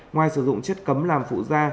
ngoài sử dụng chất cấm làm phụ da